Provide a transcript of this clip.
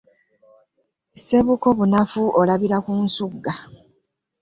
Ssebuko bunafu olabira ku nsugga ,